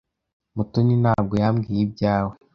Mutoni ntabwo yambwiye ibyawe.